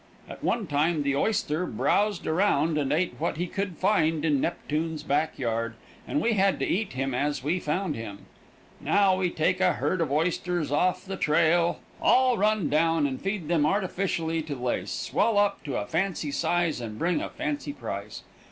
At one time the oyster browsed around and ate what he could find in Neptune's back yard, and we had to eat him as we found him. Now we take a herd of oysters off the trail, all run down, and feed them artificially till they swell up to a fancy size, and bring a fancy price.